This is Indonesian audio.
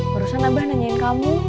barusan abah nanyain kamu